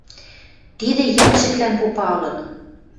Тидӹ йӓмшӹклӓн попа ылын.